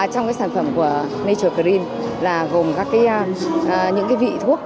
trong cái sản phẩm của nature green là gồm các cái những cái vị thuốc